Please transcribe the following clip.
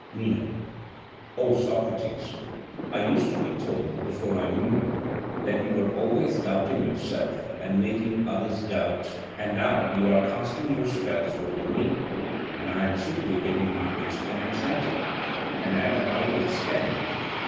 MENO: O Socrates, I used to be told, before I knew you, that you were always doubting yourself and making others doubt; and now you are casting your spells over me, and I am simply getting bewitched and enchanted, and am at my wits' end.